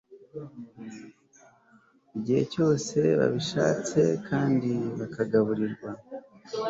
igihe cyose babishatse kandi bakagaburirwa